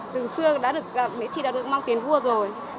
từ xưa mễ trì đã được mang tiền vua rồi